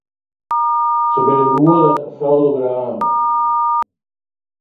Sy binne goede fotografen.